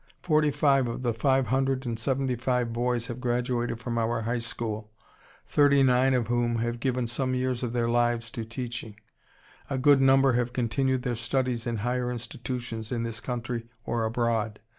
Forty five of the five hundred and seventy five boys have graduated from our high school, thirty nine of whom have given some years of their lives to teaching. A good number have continued their studies in higher institutions in this country or abroad.